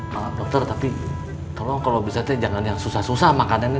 malah dokter tapi tolong kalau bisa jangan yang susah susah makanannya